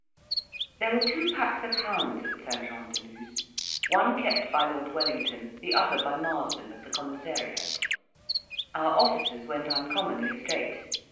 There were two packs of hounds at St Jean de Luz; one kept by Lord Wellington, the other by Marsden, of the Commissariat: our officers went uncommonly straight.